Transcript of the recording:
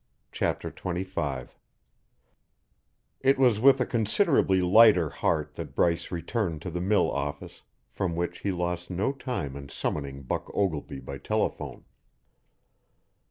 CHAPTER XXV It was with a considerably lighter heart that Bryce returned to the mill office, from which he lost no time in summoning Buck Ogilvy by telephone.